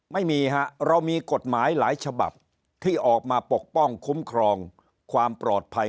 ไม่มีฮะเรามีกฎหมายหลายฉบับที่ออกมาปกป้องคุ้มครองความปลอดภัย